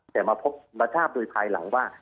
แต่มาพบบัชฌาติโดยภายหลังว่า